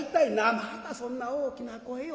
「またそんな大きな声を。